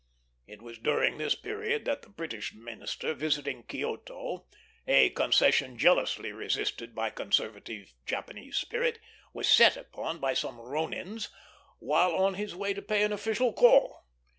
It was during this period that the British minister, visiting Kioto, a concession jealously resisted by conservative Japanese spirit, was set upon by some ronins while on his way to pay an official call.